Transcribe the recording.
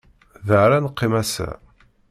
Da ara neqqim ass-a.